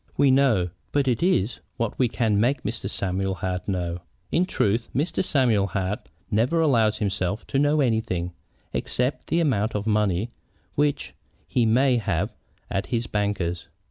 "We know. But it is what we can make Mr. Samuel Hart know. In truth, Mr. Samuel Hart never allows himself to know anything, except the amount of money which he may have at his banker's.